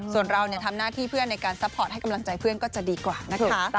ส่วนเราทำหน้าที่เพื่อนในการซัพพอร์ตให้กำลังใจเพื่อนก็จะดีกว่านะคะ